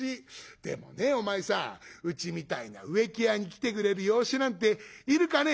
でもねお前さんうちみたいな植木屋に来てくれる養子なんているかね？」。